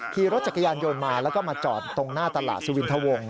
คีย์รถจักรยานโยนมาและมาจอดตรงหน้าตลาดสวินธวงศ์